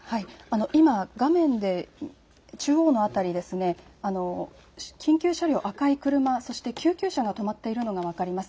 今、画面で中央の辺り、緊急車両、赤い車、そして救急車が止まっているのが分かります。